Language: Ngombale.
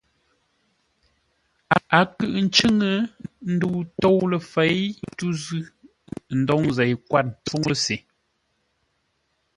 A kʉʼʉ ncʉ́ŋə́, ndəu tôu ləfěi tû zʉ́, ndôŋ zêi kwâr ḿpfúŋə́ se.